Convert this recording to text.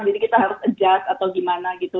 jadi kita harus adjust atau gimana gitu